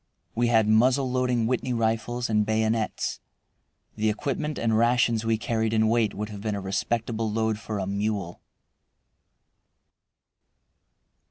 We had muzzle loading Whitney rifles and bayonets. The equipment and rations we carried in weight would have been a respectable load for a mule.